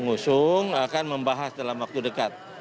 pengusung akan membahas dalam waktu dekat